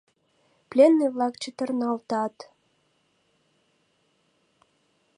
Пленный-влак чытырналтат.